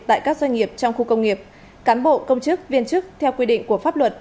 tại các doanh nghiệp trong khu công nghiệp cán bộ công chức viên chức theo quy định của pháp luật